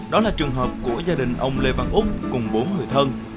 đó là trường hợp của gia đình ông lê văn úc cùng bốn người thân